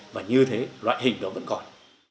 và như thế loại hình đó vẫn còn